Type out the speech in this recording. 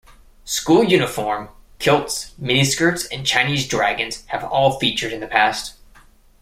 School uniform, kilts, miniskirts and Chinese dragons have all featured in the past.